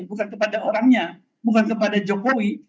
bukan kepada orangnya bukan kepada jokowi